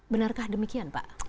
benarkah demikian pak